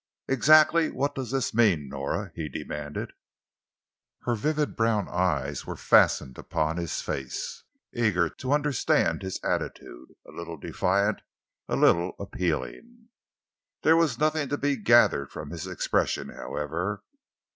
"Exactly what does this mean, Nora?" he demanded. Her vivid brown eyes were fastened upon his face, eager to understand his attitude, a little defiant, a little appealing. There was nothing to be gathered from his expression, however.